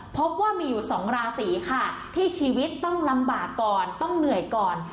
พบว่ามีอยู่๒ราศีค่ะที่ชีวิตต้องลำบากก่อนต้องเหนื่อยก่อน